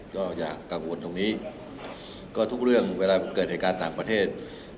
ก็อย่ากังวลตรงนี้ก็ทุกเรื่องเวลาเกิดเหตุการณ์ต่างประเทศ